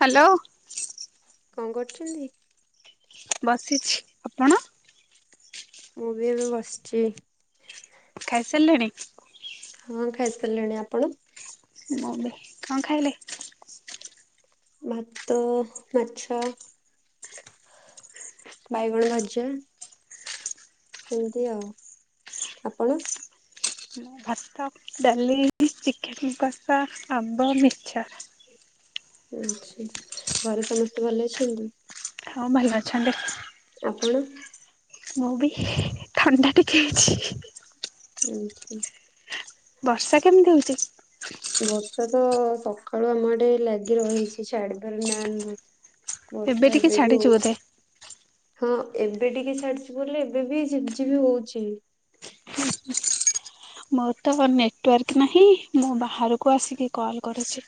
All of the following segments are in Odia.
ହ୍ୟାଲୋ। କଁ କରଚନ୍ତି? ବସିଛି ଆପଣ? ମୁଁ ବି ଏବେ ବସଚି। ଖାଇସାରିଲେଣି? ହଁ ଖାଇସାରିଲିଣି ଆପଣ? ମ ବ କଁ ଖାଇଲେ? ଭାତ ପୋଛ ବାଇଗଣ ଭଜା। ଏମିତି ଆଉ ଆପଣ? ମୁଁ ଭାତ, ଡାଲି, ଚିକେନ କଷା, ଆମ୍ବ, ମିଛର। ଆଛା ଘରେ ସମସ୍ତେ ଭଲ ଅଛନ୍ତି? ହଁ ଭାଲ ଅଛନ୍ତି। ଆପଣ? ମୁଁ ବି ଥଣ୍ଡା ଟିକେ ହେଇଛି। ଆଛା। ବର୍ଷା କେମିତି ହୋଉଚି? ବର୍ଷା ତ ସକାଳୁ ଆମ ଏଇଠି ଲାଗି ରହିଛି ଛାଡିବାର ନାହାନ୍ତି। ବର୍ଷା ଟିକେ ଏବେ ବି ଛାଡିଛି ବୋଧେ। ହଉଛି। ହଁ ଏବେ ଟିକେ ଛାଡଚି ବୋଲି ଏବେ ବି ଝିପ୍ ଝିପ୍ ହଉଚି। ମୋର ତ ନେଟୱାର୍କ ନାହିଁ ମୁଁ ବାହାରକୁ ଆସିକି କଲ୍ କରୁଚି।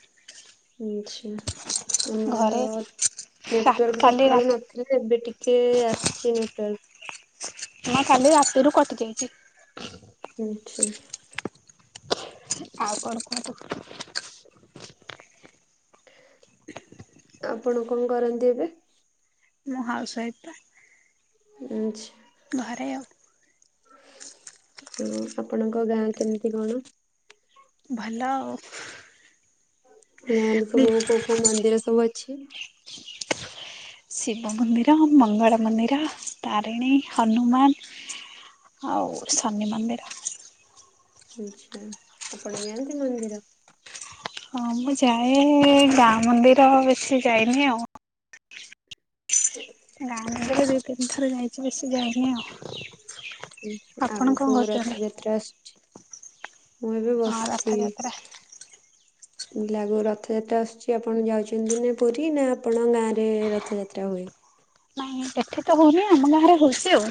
ଆଛା ଆମର ରା ନେଟୱାର୍କ କାଲି ସକାଳୁ ରାତି ନଥ ଯେ ଏବେ ଟିକେ ଆସିଚି ନେଟୱର୍କ। ହଁ କାଲି ରାତିରୁ କଟି ଯାଇଚି। ଆଛା। ଆଉ କଣ କୁହନ୍ତୁ। ଆପଣ କଣ କରନ୍ତି ଏବେ? ମୁଁ ହାଉସ ୱାଇଫ ପା। ଆଛା। ଘରେ ଆ। ହ ଆପଣଙ୍କ ଗାଁ କେମିତି କଣ? ଭଲ ଆଉ। ଗାଁ ରେ ସବୁ କୋଉ କୋଉ ମନ୍ଦିର ସବୁ ଅଛି? ଶିବ ମନ୍ଦିର ମଙ୍ଗଳ ମନ୍ଦିର ତାରିଣୀ ହନୁମାନ। ଆଉ ଶନି ମନ୍ଦିର। ଆଛା ଆପଣ ଯାଆନ୍ତି ମନ୍ଦିର? ହଁ ମୁଁ ଯାଏ ଗାଁ ମନ୍ଦିର ବେଶୀ ଯାଇନି ଆଉ। ଗାଁ ନଗରେ ଦୁଇ ତିନିଥର ଯାଇଛି ବେଶୀ ଯାଇନି ଆଉ। ଆପଣ କଣ ଆଗକୁ କରୁଛନ୍ତି? ରଥଯାତ୍ରା ଆସୁଛି। ମୁଁ ଏବେ ହଁ ବସିଛି। ରଥଯାତ୍ରା ଆଗକୁ ରଥଯାତ୍ରା ଆସୁଛି ଆପଣ ଯାଉଛନ୍ତି ନା ପୁରୀ ନା ଆପଣ ଗାଁ ରେ ରଥଯାତ୍ରା ହୁଏ। ନାଇଁ ଏଠି ତ ହଉନି ଆମ ଗାଁରେ ହଉଛି ଆଉ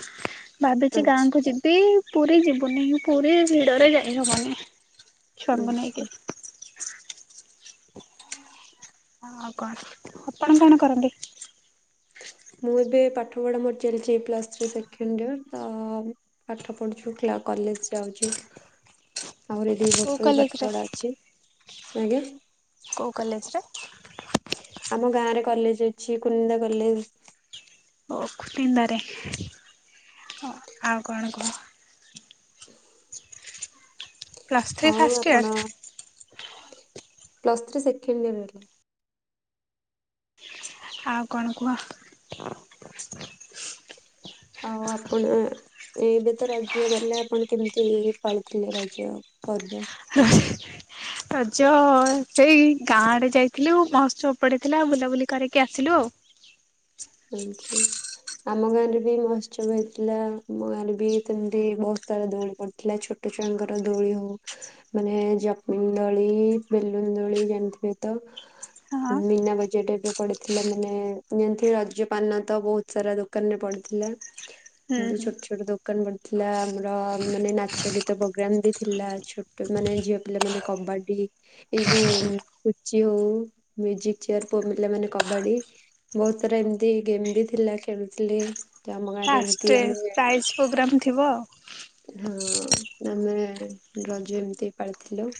ଭାବିଛି ଆଚ୍ଛା ଗାଁ କୁ ଯିବି। ପୁରୀ ଜୀବୁନି ପୁରୀ ଭିଡରେ ଯାଇ ହବନି ଛୁଆଙ୍କୁ ଆଚ୍ଛା। ନେଇକି। ହ ଆଉ କଣ ଆପଣ କଣ କରନ୍ତି? ମୁଁ ଏବେ ପାଠ ପଢ଼ା ମୋରି ଚାଲିଛି ପ୍ଲସ୍ ଥ୍ରୀ ସେକେଣ୍ଡ ଇୟର ତ ପାଠ ପଢୁଛୁ କଲେଜ ଯାଉଛୁ। ଆହୁରି ଦି କୋଉ ବର୍ଷ ବି କଲେଜରେ ପାଠପଢ଼ା ଅଛି ଆଜ୍ଞା। କୋଉ କଲେଜରେ? ଆମ ଗାଁରେ କଲେଜ ଅଛି କୁନିନ୍ଦା କଲେଜ। [unintelligible] ଆଉ କଣ କୁହ? [unintelligible] ପ୍ଲସ୍ ଥ୍ରୀ ଆଉ ଫାଷ୍ଟ ଇୟର ଆପଣ ପ୍ଲସ୍ ଥ୍ରୀ ସେକେଣ୍ଡିୟର ହେଲା। ଆଉ କଣ କୁହ? ଆଉ ଆପଣ ଏ ଏବେ ତ ରଜ ଗଲା ଆପଣ କେମିତି ହେଇକି ପାଳୁଥିଲେ ରଜ ପର୍ବ? [unintelligible] ରଜ ସେଇ ଗାଁ ଆଡେ ଯାଇଥିଲୁ, ମହୋତ୍ସବ ପଡିଥିଲା ବୁଲାବୁଲି କରିକି ଆସିଲୁ ଆଉ। [unintelligible] ଆମ ଗାଁରେ ବି ମହୋତ୍ସବ ହେଇଥିଲା, ଆମ ଗାଁରେ ବି ସେମିତି ବହୁତ ସାରା ଦୋଳି ପଡିଥିଲା ଛୋ ଛୋଟ ଛୁଆଙ୍କର ଦୋଳି ହଉ ମାନେ ଜାପନିଂଗ ଦୋଳି ବେଲୁନ୍ ଦୋଳି ଜାଣିଥିବେ ତ? ହଁ ହୁଁ ମୀନା ବଜାର ଟାଇପର ପଡିଥିଲା ମାନେ ଯେମତି ର ରଜ ପାନ ତ ବହୁତ ସାରା ଦୋକାନରେ ପଡିଥିଲା। ଏମିତି ହୁଁ। ଛୋଟ ଛୋଟ ଦୋକାନ ପଡିଥିଲା, ଆମର ମାନେ ନାଚ ଗୀତ ପୋଗ୍ରାମ ବି ଥିଲା। ଛୋ ମାନେ ଝିଅ ପିଲାମାନେ କବାଡି ଏଇ ଯୋଉ ପୁଚି ହଉ, ମ୍ୟୁଜିକ ଚେୟାର, ପୁଅ ପିଲାମାନେ କବାଡ଼ି ବହୁତ ସାରା ଏମିତି ଗେମ୍ ବି ଥିଲା ଖେଳୁଥିଲି। ତ ଆମ ଗାଁରେ ଫାଷ୍ଟ ଏମିତି ଡେ ଆମେ ପ୍ରାଇଜ୍ ପୋଗ୍ରାମ ଥିବ ଆଉ। ହଁ ଆମେ ରଜ ଏମିତି ପାଳିଥିଲୁ।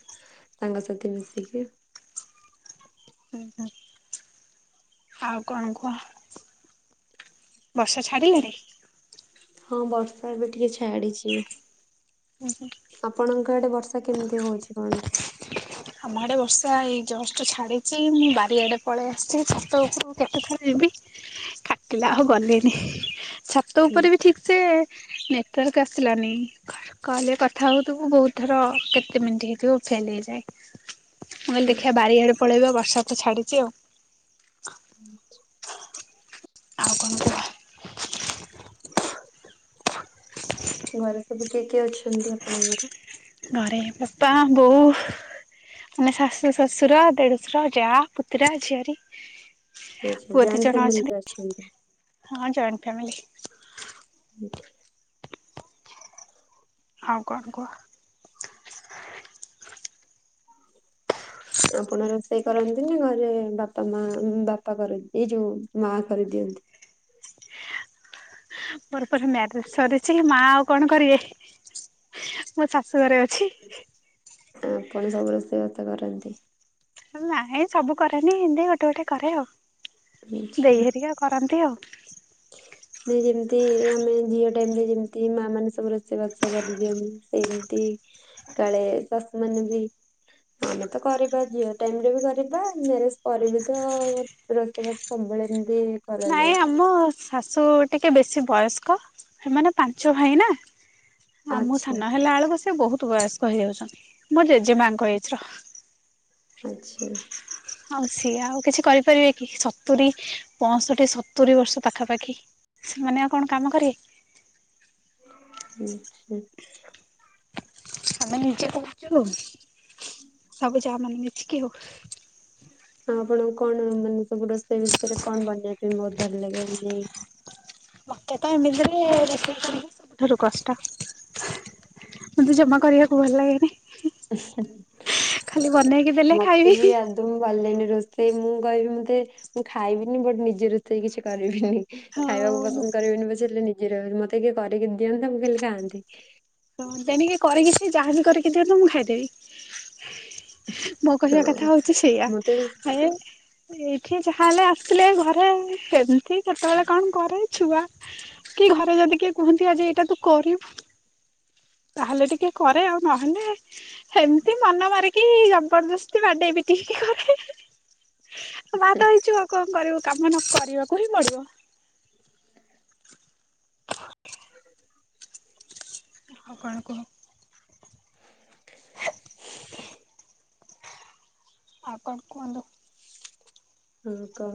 ସାଙ୍ଗସାଥି ମିଶିକି। ହୁଁ ହୁଁ। ଆଉ କଣ କୁହ? ବର୍ଷା ଛାଡ଼ିଲେଣି? ହଁ ବର୍ଷା ଏବେ ଟିକେ ଛାଡ଼ିଚି। ଉଁ ହୁଁ। ଆପଣଙ୍କ ଆଡେ ବର୍ଷା କେମିତି ହଉଚି କଣ? ଆମ ଆଡେ ବର୍ଷା ଏଇ ଜଷ୍ଟ ଛାଡିଚି, ମୁଁ ବାରିଆଡେ ପଳେଇ ଆସିଚି, ଛାତ ଉପରୁକୁ କେତେଥର ଯିବି। ଖାକିଲା ଆଉ ଗଲିନି, ଛାତ ହୁଁ, ଉପରେ ବି ଠିକ୍ ସେ ନେଟୱାର୍କ ଆସିଲାନି। କହିଲେ କଥା ହଉଥୁବୁ ବହୁତ ଥର କେତେ ମିନିଟ୍ ହେଇଥିବ ଫେଲ ହେଇଯାଏ। ମୁଁ କହିଲି ଦେଖିଆ ବାରିଆଡେ ପଳେଇବା ବର୍ଷା ତ ଛାଡ଼ିଚି ଆଉ। [unintelligible] ଆଉ କଣ କୁହ? ଘରେ ସବୁ କିଏ କିଏ ଅଛନ୍ତି ଆପଣଙ୍କର? ଘରେ ବୋପା ବୋଉ। ମାନେ ଶାଶୁ, ଶ୍ୱଶୁର, ଦେଢୁଶୁର, ଯାଆ, ପୁତୁରା, ଝିଆରୀ। ଆଚ୍ଛା। ପୁଅ ଦି ଜଏଣ୍ଟ ଜଣ ଫ୍ୟାମିଲିରେ ଅଛନ୍ତି? ହଁ ଜଏଣ୍ଟ ଫ୍ୟାମିଲି। [unintelligible] ଆଉ କଣ କୁହ? ଆପଣ ରୋଷେଇ କରନ୍ତିନି, ଘରେ ବାପା ମା ବାପା କରନ୍ତି, ଏଇ ଯୋଉ ମା କରିଦିଅନ୍ତି। ମୋର ପରା ମ୍ୟାରେଜ ସରିଚି, ମା ଆଉ କଣ କରିବେ? ମୋ ଶାଶୁ ଘରେ ଅଛି। ଆପଣ ସବୁ ରୋଷେଇବାତ କରନ୍ତି? ନାଇଁ ସବୁ କରେନି ଏମିତି ଗୋଟେ ଗୋଟେ କରେ ଆଉ, ହୁଁ। ଦେଇଘରିକା କରନ୍ତି ଆଉ। [unintelligible] ନ ଯେମିତି ଆମେ ଝିଅ ଟାଇମ ରେ ଯେମିତି ମା ମାନେ ସବୁ ରୋଷେଇ ବାସ କରିଦିଅନ୍ତି ସେମିତି କାଳେ ଶାସୁ ମାନେ ବି ଆମେ ତ କରିବା ଝିଅ ଟାଇମରେ ବି କରିବା ମ୍ୟାରେଜ କରିବି ତ ରୋଷେଇ ର ସମ୍ବଳେ ଏମିତି କରାଯାଏ ନାଇଁ ଆମ ଶାଶୁ ଟିକେ ବେଶୀ ବୟସ୍କ ସେମାନେ ପାଞ୍ଚ ଭାଇ ନା ଆ ମୋ ଆଚ୍ଛା ସାନ ହେଲା ବେଳକୁ ସେ ବହୁତ ବୟସ୍କ ହେଇଯାଉଛନ୍ତି ମୋ ଜେଜେମାଙ୍କ ଏଜ୍ ର ଆଚ୍ଛା ଆଉ ସିଏ ଆଉ କିଛି କରିପାରିବେ କି ସତୁରିୀ ପଞ୍ଚଷଠି ସତୁରିୀ ବର୍ଷ ପାଖାପାଖି ସେମାନେ ଆଉ କଣ କାମ କରିବେ ଆଛା ଆମେ ନିଜେ କହୁଛୁ ସବୁ ଯା ମାନେ ମିତିିକି ହଉ ଆପଣଙ୍କୁ କଣ ମାନେ ସବୁ ରୋଷେଇ ବିଷୟରେ କଣ ବନେଇବା ପାଇଁ ବହୁତ ଭଲ ଲାଗେ ମାନେ ମତେ ତ ଏମିତିରେ ରୋଷେଇ ସବୁଠାରୁ କଷ୍ଟ ମତେ ଜମା କରିବାକୁ ଭଲ ଲାଗେନି ଖାଲି ବନେଇକି ଦେଲେ ମତେ ଖାଇବି ବି ଆ ତ ମୁଁ ଭଲିଲନି ରୋଷେଇ ମୁଁ କହିବି ମତେ ମୁଁ ଖାଇବିନି ବଟ ନିଜେ ରୋଷେଇ କିଛି କରିବିନି ଖାଇବାକୁ ଆଉ ପସନ୍ଦ କରିବିନନି ପ ସେ ହେଲେ ନିଜେ ରହି ମତେ କିଏ କରିକି ଦିଅନ୍ତତା ମୁଁ ଖିଲଲି ଖାଆନ୍ତି ଦେଣିକି କରିକି ସେ ଯାହାବି କରିକି ଦିଅନ୍ତୁ ମୁଁ ଖାଇଦେବି ମୋ କହିବା ହଁ କଥା ହଉଛି ସେଇୟା ମୁଁ ତ ଆରେ ଏଇଠି ଯାହା ହେେଲେ ଆସିଥିଲେ ଘରେ ସେମିତି ସେତେବେଳେ କଣ କରେ ଛୁଆ କି ଘରେ ଯଦି କିଏ କୁହନ୍ତି ଆ ଯେ ଏଇଟା ତୁ କରିବୁ ତାହେଲେ ଟିକେ କରେ ଆଉ ନହେଲେ ସେମତି ମନ ମରିକି ଜବରଦସ୍ତି ବାଡେଇବି ଟ କରେ ବା ତ ହେଇଯିବ ଆଉ କଣ କରିବୁ କାମ ନ କରିବାକୁ ହିଁ ପଡିବ ହଉ କଣ କହ ଆଣ କନ୍ତ ହଁ କଣ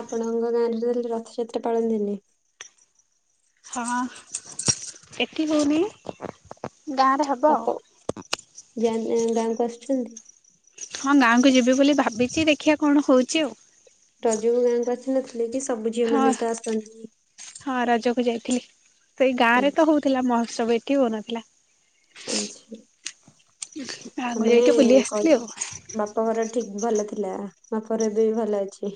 ଆପଣଙ୍କ ଗାଁରେ ତାହେଲେ ରଥଯାତ୍ରା ପାଳନ୍ତିନି? ହଁ ଏଠି ହଉନି ଗାଁରେ ହ ଆପ ଯା ଗାଁକୁ ଆସୁଛନ୍ତି? ହଁ ଗାଁକୁ ଯିବି ବୋଲି ଭାବିଛି ଦେଖିଆ କଣ ହଉଚି ଆଉ। ରଜକୁୁ ଗାଁକୁ ଆସିନଥିଲେକି ସବୁ ଝିଅ ହଁ ମାନେତ ଆସନ୍ତି? ହଁ ରଜକୁ ଯାଇଥିଲି ସେଇ ଗାଁରେତ ଆଚ୍ଛା ହଉଥିଲା ମହୋତ୍ସବ ଏଠି ହଉନଥିଲା। ଆଛା ଗାଁକୁ ତାମାନେ ଯାଇକି ବୁଲି ଆସିଥିଲି ଆଉ [unintelligible] ବାପା ଘର ଠିକ୍ ଭଲ ଥିଲା ବାପଘର ଏବେ ଭଲ ଅଛି।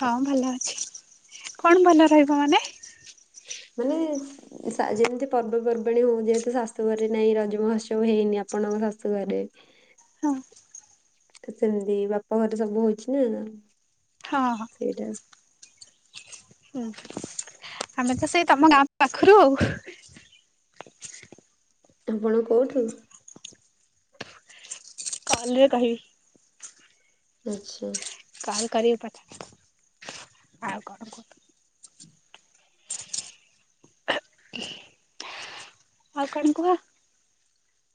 ହଁ ଭଲ ଅଛି କଣ ଭଲ ରହିବ ମାନେ? ମାନେ ଶା ଯେମିତି ପର୍ବପର୍ବାଣୀ ହଉ ଯେହେତୁ ଶାଶୁ ଘରେ ନାଇଁ ରଜ ମହୋତ୍ସବ ହେଇନି ଆପଣଙ୍କ ଶାଶୁ ଘରେ ହଁ। ତ ସେମିତି ବାପ ଘରେ ସବୁ ହଉଚିନା। ହଁ ହଁ। ସେଇଟା ହୁଁ ଆମେତ ସେଇ ତମ ଗାଁ ପାଖରୁ ଆଉ। ଆପଣ କୋଉଠୁ? କଲରେ କହିବି। ଆଚ୍ଛା। କଲ କରିବି ପଛରେ ଆଉ କଣ କୁହନ୍ତୁ? ଆଉ କଣ କୁହ?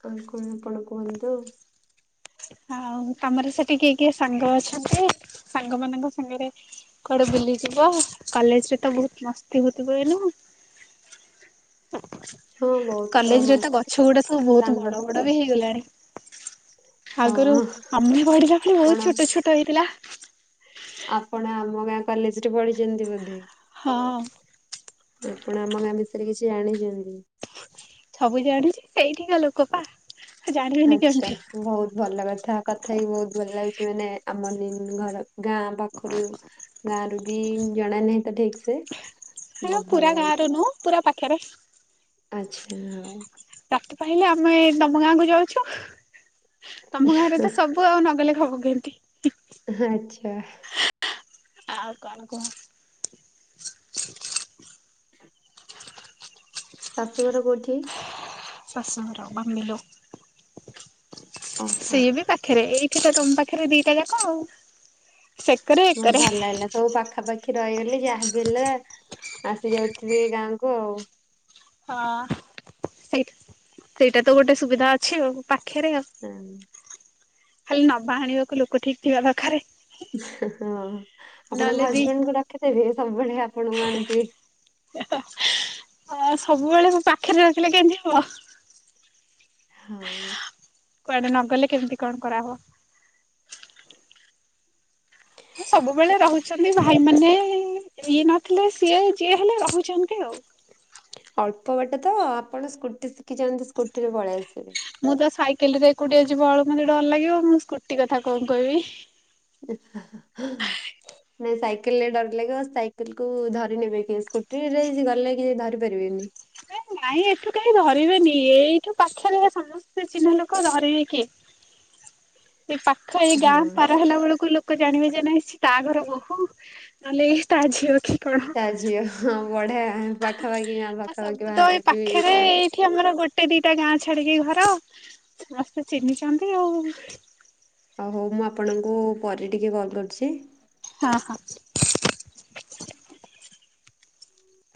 ଆଉ କଣ ଆପଣ କୁହନ୍ତୁ? ଆଉ ତମର ସେଠ କିଏ କିଏ ସାଙ୍ଗ ଅଛନ୍ତି ସାଙ୍ଗ ମାନଙ୍କ ସାଙ୍ଗରେ କୁଆଡ଼େ ବୁଲିଯିବ କଲେଜରେତ ବହୁତ୍ ମସ୍ତି ହଉଥିବ ଏଇନା। ହଁ ବହୁତ କଲେଜରେତ ମସ୍ତି ଗଛ ଗୁଡ଼ା ସବୁ ବହୁତ୍ ସାଙ୍ଗ ବଡ଼ ବଡ଼ବି ହେଇଗଲାଣି। ହଁ ଆଗରୁ ଆମେ ବଢିଲା ବେଳେ ବହୁତ୍ ଆପଣ ଛୋଟ ଛୋଟ ହେଇଥିଲା। ଆପଣ ଆମ ଗାଁ କଲେଜରେ ପଢ଼ିଛନ୍ତି ବୋଧେ? ହଁ। ଆପଣ ଆମ ଗାଁ ବିଷୟରେ କିଛି ଜାଣିଛନ୍ତି? ସବୁ ଜାଣିଚି ସେଇଠିିକା ଲୋକପା। ଆଚ୍ଛା ବହୁତ୍ ଭଲ କଥା କଥାବି ବହୁତ୍ ଭଲ ଲାଗୁଚି ମାନେ ଆମ ଘର ଗାଁ ପାଖରୁ ଗାଁରବି ଜଣ ନାହିଁତ ଠିକିସେ। ମୁଁ ପୁରା ଗାଁରେ ନୁହଁ ପୁରା ପାଖରେ। ଆଚ୍ଛା। ରାତି ପାହିଲେ ଆମେ ତମ ଗାଁକୁ ଯାଉଛୁ। ତମ ଗାଁରେତ ସବୁ ଆଉ ନଗଲେ ଖବ କେମିତି‌ ଆଚ୍ଛା। ଆଉ କଣ କୁହ? ଶାଶୁଘର କୋଉଠି? ଶାଶୁଘର ବାମ୍ବିଲ। ଓହୋ ସିଏବି ପାଖରେ ଏଇଠିତ ତମ ପାଖରେ ଦିଟାଜାକ। ବହୁତ୍ ଭଲ ଲାଗିଲା ସବୁ ପାଖାପାଖି ଆଖି ରହିଗଲେ ଯାହାବି ହେଲା ଆସି ଯାଉଥିବେ ଗାଁକୁ ଆଉ? ହଁ ସେଇ ସେଇଟାତ ଗୋଟେ ସୁବିଧା ଅଛି ଆଉ। ପାଖରେ ହଁ ଖାଲି ନବା ଆଣିବାକୁ ଲୋକ ଠିକ୍ ଥିବା ଦରକାର୍। ହଁ ଆପଣଙ୍କ ଦି ହଜବେଣ୍ଡକୁ ରଖିଦେବେ ସବୁବେଳେ ଆପଣଙ୍କୁ ଆଣୁଥିବେ ଆ ସବୁବେଳେ ମୋ ପାଖରେ ରଖିଲେ କେମିତି ହବ। ହଁ। କୁଆଡ଼େ ନଗଲେ କେମିତି କଣ କରାହବ। ହେ ସବୁବେଳେ ରହୁଛନ୍ତି ଭାଇ ମାନେ ଇଏ ନଥିଲେ ସିଏ ଯିଏ ହେଲେ ରହୁଛନ୍ତି ଆଉ। ଅଳ୍ପ ବାଟେ ତ ଆପଣ ସ୍କୁଟି ଶିଖିଚନ୍ତି ସ୍କୁଟିରେ ପଳେଇ ଆସିବେ। ମୁଁ ତ ସାଇକେଲ୍ ରେ ଏକୁଟିଆ ଯିବ ଆଳୁ ମୋତେ ଡର ଲାଗିବ ମୁଁ ସ୍କୁଟି କଥା କଣ କହିବି। ନାଇଁ ସାଇକେଲ୍ ରେ ଡର ଲାଗିବ ସାଇକେଲ୍ କୁ ଧରିନେବେ କି ସ୍କୁଟି ରେ ଗଲେ କି ଧରି ପାରିବେନି। ନାଇଁ ଏଠୁ କାହିଁ ଧରିବେନି ଏଇଠୁ ପାଖରେ ସମସ୍ତେ ଚିହ୍ନନା ଲୋକ ଧରିବେ କିଏ। ସେଇ ପାଖରେ ଏଇ ଗାଁ ହଁ ପାର ହେଲା ବେଳକୁ ଲୋ କ ଜାଣିବା ଜାଣିବା ନାଇ ତା ଘର ବୋହୁ ନହେଲେ ତା ଝିଅ କିଏ। ତା ଝିଅ ହଁ ବଢଆ ପାଖାପାଖିା ଆଉ ପାଖାପାଖି ସବୁ ତ ଏଇ ବାହାରେ ବି ପାଖରେ ଏଟା ଏଇଠି ଆମର ଗୋଟେ ଦିଟା ଗାଁ ଛାଡିକି ଘର ସମସ୍ତେ ଚିହ୍ନିଚନ୍ତି ଆଉ। ଓ ହୋଉ ମୁଁ ଆପଣଙ୍କୁ ପରେ ଟିକେ କଲ୍ କରୁଚି। ହଁ ହଁ।